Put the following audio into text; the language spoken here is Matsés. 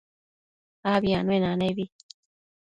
Abi anuenanebi